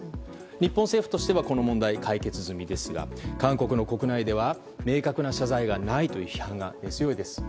日本政府としてはこの問題、解決済みですが韓国の国内では明確な謝罪がないという批判が根強いです。